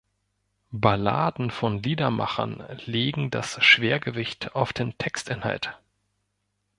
Balladen von Liedermachern legen das Schwergewicht auf den Textinhalt.